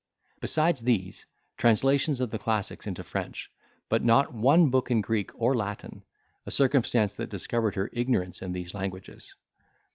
Besides these, translations of the classics into French, but not one book in Greek or Latin; a circumstance that discovered her ignorance in these languages.